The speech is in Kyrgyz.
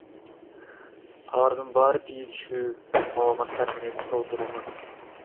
Алардын баары тиешелүү маалыматтар менен толтурулган.